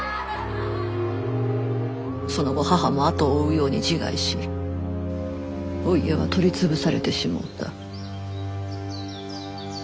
その後母も後を追うように自害しお家は取り潰されてしもうた。